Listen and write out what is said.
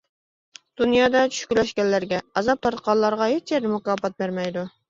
دۇنيادا چۈشكۈنلەشكەنلەرگە، ئازاب تارتقانلارغا ھېچيەردە مۇكاپات بەرمەيدۇ.